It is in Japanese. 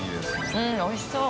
うんおいしそう！